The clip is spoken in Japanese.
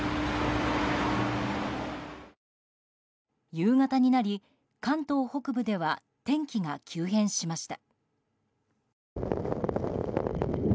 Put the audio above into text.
夕方になり、関東北部では天気が急変しました。